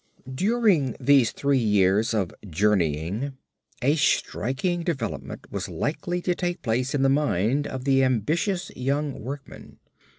During these three years of "journeying" a striking development was likely to take place in the mind of the ambitious young workman.